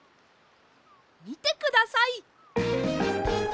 みてください！